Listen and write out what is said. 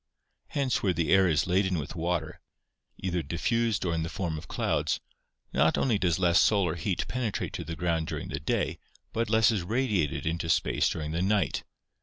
Hence where the air is laden with water — either diffused ' DESERT ADAPTATION 401 or in the form of clouds — not only does less solar heat penetrate to the ground during the day but less is radiated into space during the night.